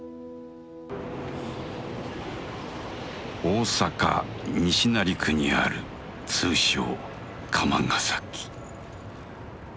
大阪西成区にある通称「釜ヶ崎」。